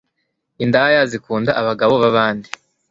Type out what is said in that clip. Indaya zikunda abagabo babandi